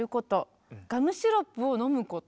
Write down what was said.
「ガムシロップを飲むこと」。